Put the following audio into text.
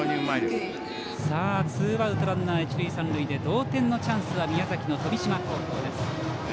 ツーアウトランナー、一塁三塁で同点のチャンスは宮崎の富島高校です。